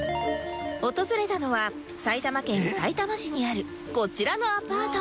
訪れたのは埼玉県さいたま市にあるこちらのアパート